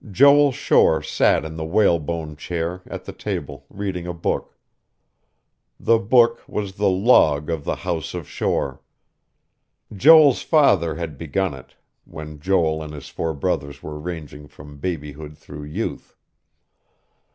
Joel Shore sat in the whalebone chair, at the table, reading a book. The book was the Log of the House of Shore. Joel's father had begun it, when Joel and his four brothers were ranging from babyhood through youth....